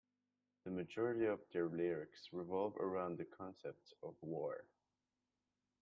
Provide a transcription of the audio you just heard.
The majority of their lyrics revolve around the concepts of war.